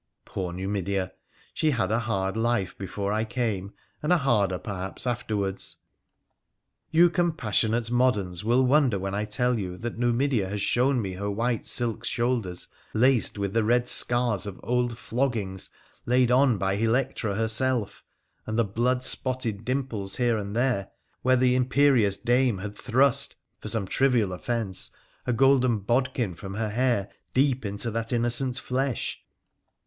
Poor Numidea ! she had a hard life before I came, and a harder, perhaps, afterwards. You compassionate moderns will wonder when I tell you that Numidea has shown me her white silk shoulders laced with the red scars of old floggings laid on by Electra herself, and the blood spotted dimples here and there E SO WONDERFUL ADVENTURES OP ■where that imperious dame had thrust, for some trivial offence, a golden bodkin from her hair deep into that innocent flesh.